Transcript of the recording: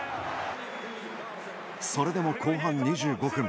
それでも、後半２５分。